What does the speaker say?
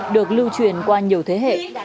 được lưu truyền qua nhiều thế hệ